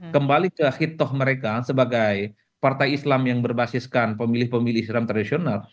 kembali ke hitoh mereka sebagai partai islam yang berbasiskan pemilih pemilih islam tradisional